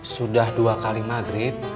sudah dua kali maghrib